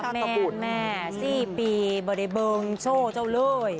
แม่๔ปีบริเบิ้ลโชว์เจ้าเลย